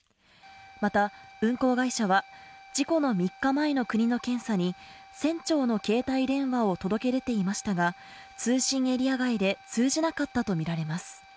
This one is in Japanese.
また、運航会社は事故の３日前の国の検査に船長の携帯電話を届け出ていましたが通信エリア外で通じなかったとみられます。